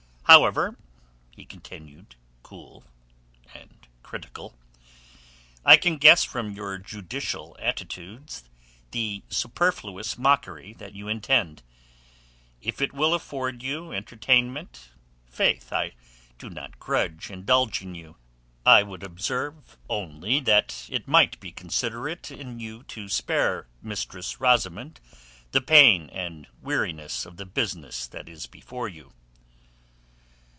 However," he continued, cool and critical, "I can guess from your judicial attitudes the superfluous mockery that you intend. If it will afford you entertainment, faith, I do not grudge indulging you. I would observe only that it might be considerate in you to spare Mistress Rosamund the pain and weariness of the business that is before you."